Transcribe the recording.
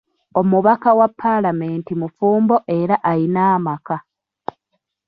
Omubaka wa paalamenti mufumbo era ayina amaka.